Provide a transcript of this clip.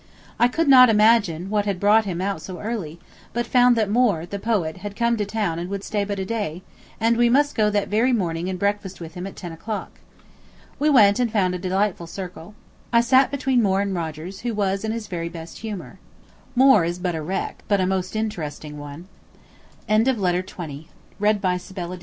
I could not imagine what had brought him out so early, but found that Moore, the poet, had come to town and would stay but a day, and we must go that very morning and breakfast with him at ten o'clock. We went and found a delightful circle. I sat between Moore and Rogers, who was in his very best humor. Moore is but a wreck, but most a interesting one. To Mr. and Mrs. I. P. D. NUNEHAM PARK, July 27, 1847.